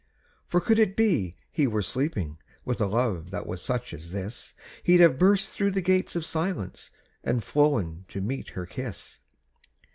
"For could it be he were sleeping. With a love that was such as this He'd have burst through the gates of silence, And flown to meet her kiss."